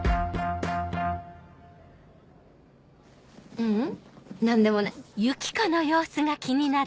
ううん何でもない。